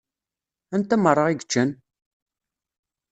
Anta meṛṛa i yeččan?